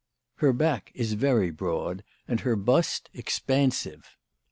Her back is very broad and her bust expansive.